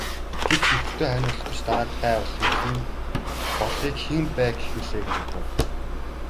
Гэвч нөхөртөө хань болох гэж дагаад гай болохыг хэн байг гэх билээ гэж бодов.